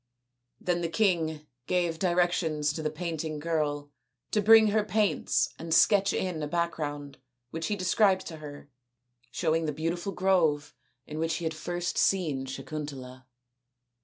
Then the king gave directions to the painting girl to bring her paints and sketch in a background which he described to her, showing the beautiful grove in which he had first seen Sakuntala.